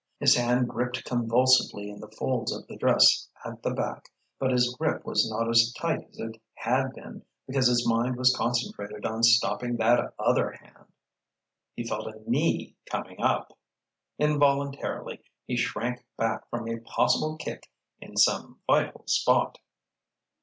His hand gripped convulsively in the folds of the dress at the back; but his grip was not as tight as it had been because his mind was concentrated on stopping that other hand! He felt a knee coming up. Involuntarily he shrank back from a possible kick in some vital spot.